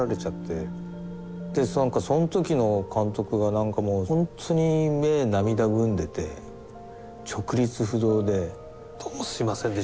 でそん時の監督がなんかもうほんとに目涙ぐんでて直立不動で「どうもすみませんでした」っていう。